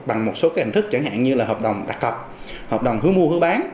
bằng một số cái hình thức chẳng hạn như là hợp đồng đặc hợp hợp đồng hứa mua hứa bán